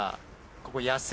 ここ。